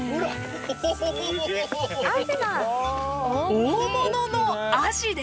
大物のアジです。